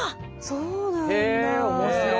そうなんだ！